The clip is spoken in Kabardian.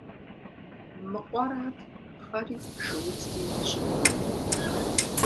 Мы къуэрат пхъэри шыудзри щыдгъуэтыр.